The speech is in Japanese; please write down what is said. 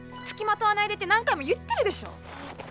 つきまとわないでって何回も言ってるでしょ。